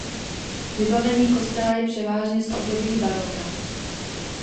Vybavení kostela je převážně z období baroka.